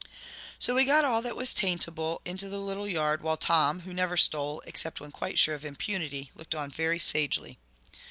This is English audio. So we got all that was taintable into the little yard, while Tom, who never stole, except when quite sure of impunity, looked on very sagely.